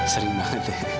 sering banget ya